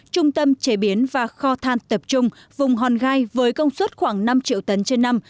trung tâm chế biến và kho than tập trung vùng hòn gai với công suất khoảng năm triệu tấn trên năm